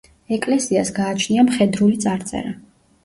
ეკლესიას გააჩნია მხედრული წარწერა.